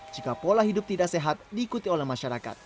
jika pola hidup tidak sehat diikuti oleh masyarakat